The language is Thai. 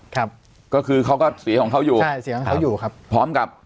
ครับก็คือเขาก็สีของเขาอยู่ใช่เสียงของเขาอยู่ครับพร้อมกับ